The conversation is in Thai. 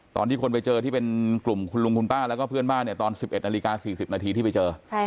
ตอนที่คนไปเจอที่เป็นกลุ่มคุณลุงคุณป้าแล้วก็เพื่อนบ้านตอน๑๑นาฬิกา๔๐นาทีที่ไปเจอ